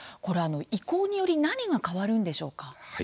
移行により何が変わるんでしょうか？